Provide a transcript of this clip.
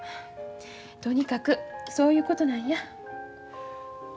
とにかくそういうことなんや。